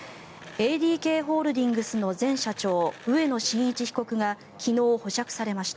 ＡＤＫホールディングスの前社長、植野伸一被告が昨日、保釈されました。